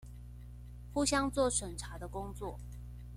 互相做審查的工作